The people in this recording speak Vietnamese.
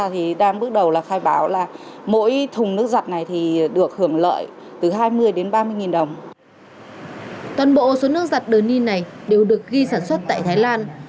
toàn bộ số nước giặt đơn y này đều được ghi sản xuất tại thái lan